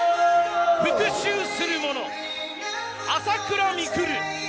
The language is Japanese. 復讐する者、朝倉未来。